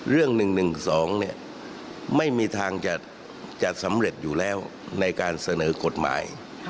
เรื่อง๑๑๒ไม่มีทางจะสำเร็จอยู่แล้วในการเสนอกฎหมาย